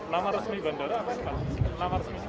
nama resmi bandara apa sih pak